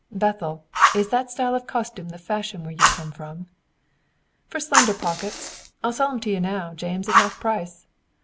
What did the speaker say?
Bethel, is that style of costume the fashion where you come from?" "For slender pockets. I'll sell 'em to you now, James, at half price.